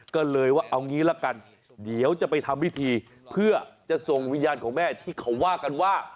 ก็เลยว่าเอางี้ละกันเดี๋ยวจะไปทำพิธีเพื่อจะส่งวิญญาณของแม่ที่เขาว่ากันว่า